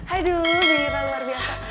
aduh gila luar biasa